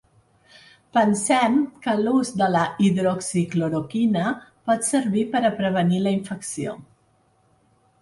Pensem que l’ús de la hidroxicloroquina pot servir per a prevenir la infecció.